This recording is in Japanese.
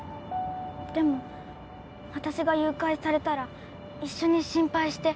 でも私が誘拐されたら一緒に心配して